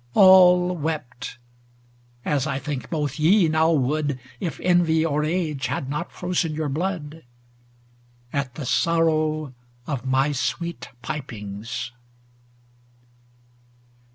All wept, as I think both ye now would If envy or age had not frozen your blood. At the sorrow of my sweet pipings.